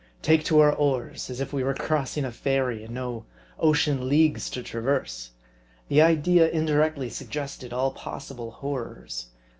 Take to our oars ! as if we were crossing a ferry, and no ocean leagues to traverse. The idea indirectly suggested all possible horrors.